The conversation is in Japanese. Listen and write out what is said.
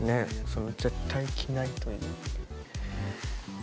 絶対着ないという。